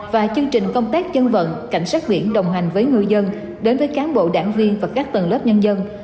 và chương trình công tác dân vận cảnh sát biển đồng hành với ngư dân đến với cán bộ đảng viên và các tầng lớp nhân dân